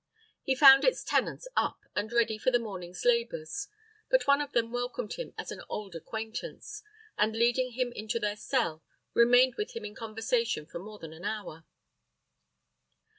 He found its tenants up, and ready for the mornings' labors; but one of them welcomed him as an old acquaintance, and, leading him into their cell, remained with him in conversation for more than an hour.